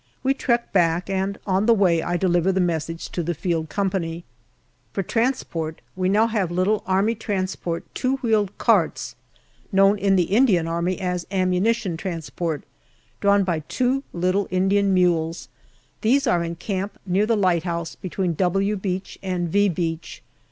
We trek back, and on the way I deliver the message to the Field Company. For transport we now have little A.T. two wheeled carts, known in the Indian Army as ammunition transport, drawn by two little Indian mules. These are in camp near the lighthouse, between "W" Beach and "V" Beach.